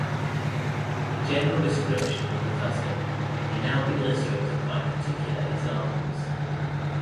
The general description of the custom may now be illustrated by particular examples.